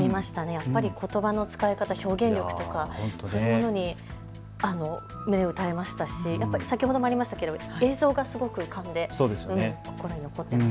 やっぱりことばの使い方、表現力、そういうものに胸を打たれましたし先ほどもありましたけれど映像が圧巻で心に残っています。